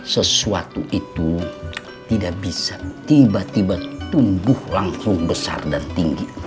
sesuatu itu tidak bisa tiba tiba tumbuh langsung besar dan tinggi